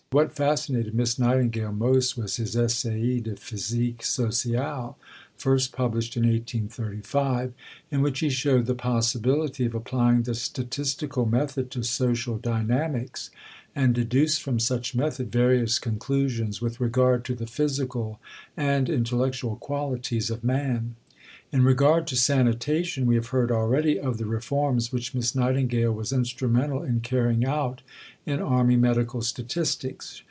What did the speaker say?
What fascinated Miss Nightingale most was his Essai de physique sociale (first published in 1835), in which he showed the possibility of applying the statistical method to social dynamics, and deduced from such method various conclusions with regard to the physical and intellectual qualities of man. In regard to sanitation, we have heard already of the reforms which Miss Nightingale was instrumental in carrying out in Army Medical Statistics.